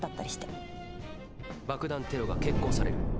爆弾テロが決行される。